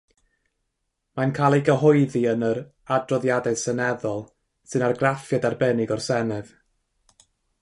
Mae'n cael ei gyhoeddi yn yr "Adroddiadau Seneddol", sy'n argraffiad arbennig o'r Senedd.